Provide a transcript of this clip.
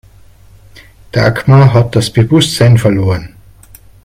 Dagmar hat das Bewusstsein verloren.